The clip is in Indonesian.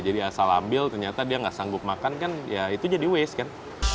jadi asal ambil ternyata dia nggak sanggup makan kan ya itu jadi waste kan